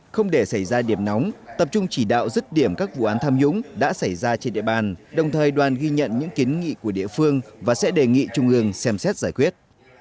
không để xảy ra điểm nóng tập trung chỉ đạo rứt điểm các vụ án tham nhũng đã xảy ra trên địa bàn đồng thời đoàn ghi nhận những kiến nghị của địa phương và sẽ đề nghị trung ương xem xét giải quyết